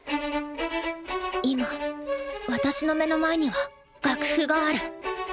今私の目の前には楽譜がある。